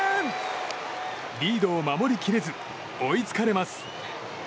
リードを守り切れず追いつかれます。